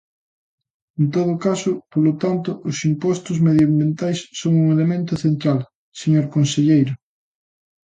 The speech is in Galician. En todo caso, polo tanto, os impostos medioambientais son un elemento central, señor conselleiro.